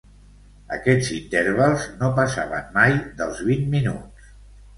Aquests intervals no passaven mai dels vint minuts.